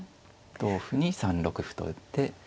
同歩に３六歩と打って。